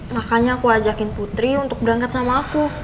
makanya aku ajakin putri untuk berangkat sama aku